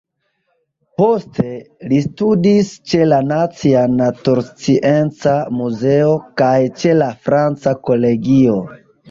Poste, li studis ĉe la Nacia Naturscienca Muzeo kaj ĉe la Franca Kolegio.